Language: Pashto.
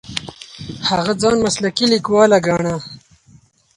هغه ځان مسلکي لیکواله ګڼله.